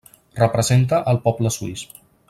Representa al poble suís.